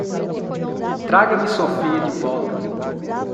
Traga-me Sophia de volta.